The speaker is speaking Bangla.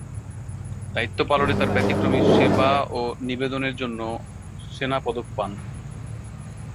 দায়িত্ব পালনে তাঁর ব্যতিক্রমী সেবা ও নিবেদনের জন্য সেনা পদক পান।